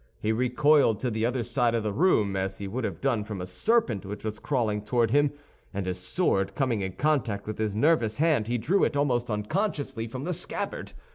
He recoiled to the other side of the room as he would have done from a serpent which was crawling toward him, and his sword coming in contact with his nervous hand, he drew it almost unconsciously from the scabbard.